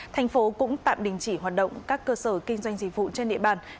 thành phố cũng tạm đình chỉ hoạt động các cơ sở kinh doanh dịch vụ trên địa bàn